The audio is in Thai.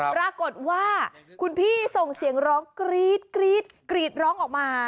ปรากฏว่าคุณพี่ส่งเสียงร้องกรี๊ดกรีดร้องออกมา